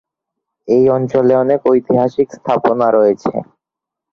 এই অঞ্চলে অনেক ঐতিহাসিক স্থাপনা রয়েছে।